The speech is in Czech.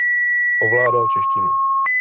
Ovládal češtinu.